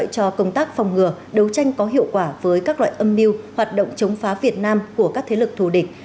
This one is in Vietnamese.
cho công tác phòng ngừa đấu tranh có hiệu quả với các loại âm mưu hoạt động chống phá việt nam của các thế lực thù địch